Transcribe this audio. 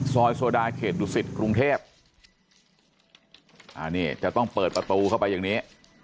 โซดาเขตดุสิตกรุงเทพอันนี้จะต้องเปิดประตูเข้าไปอย่างนี้